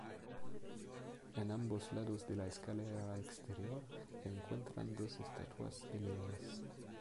En ambos lados de la escalera exterior se encuentran dos estatuas de leones.